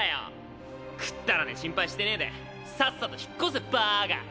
くっだらねぇ心配してねぇでさっさと引っ越せバーカ！